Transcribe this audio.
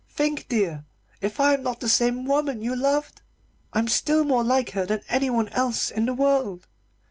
Think, dear, if I am not the same woman you loved, I'm still more like her than anyone else in the world.